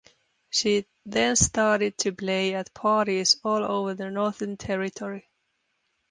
She then started to play at parties all over the Northern Territory.